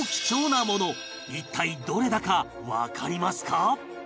一体どれだかわかりますか？